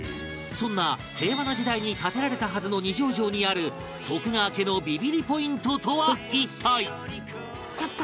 そんな平和な時代に建てられたはずの二条城にある徳川家のビビりポイントとは一体